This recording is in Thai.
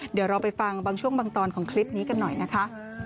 เดี๋ยวเราไปฟังบางช่วงบางตอนของคลิปนี้กันหน่อยนะคะ